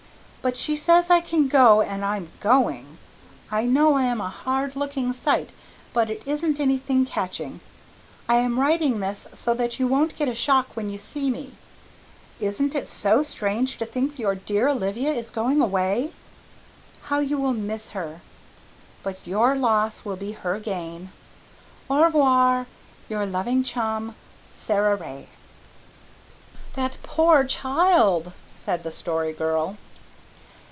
But she says I can go and I'm going. I know that I am a HARD LOOKING SIGHT, but it isn't anything catching. I am writing this so that you won't get a shock when you see me. Isn't it SO STRANGE to think your dear Aunt Olivia is going away? How you will miss her! But your loss will be her gain. "'Au revoir, "'Your loving chum, SARA RAY.'" "That poor child," said the Story Girl.